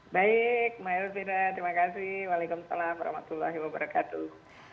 baik maaf terima kasih waalaikumsalam warahmatullahi wabarakatuh